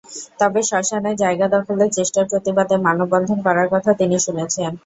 তবে শ্মশানের জায়গা দখলের চেষ্টার প্রতিবাদে মানববন্ধন করার কথা তিনি শুনেছেন।